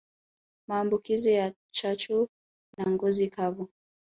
Maambukizi ya chachu na ngozi kavu